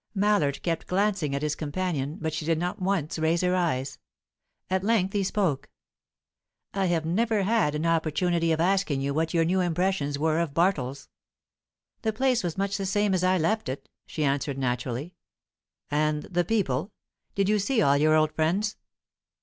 Mallard kept glancing at his companion, but she did not once raise her eyes. At length he spoke. "I have never had an opportunity of asking you what your new impressions were of Bartles." "The place was much the same as I left it," she answered naturally. "And the people? Did you see all your old friends?"